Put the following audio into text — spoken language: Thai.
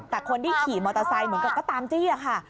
แต่คนที่ขี่มอเตอร์ไซค์เหมือนกับก็ตามจี้ค่ะ